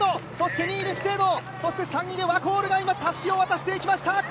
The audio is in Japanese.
２位に資生堂、３位でワコールがたすきを渡していきました。